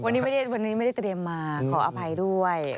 วันนี้ไม่ได้เตรียมมาขออภัยด้วย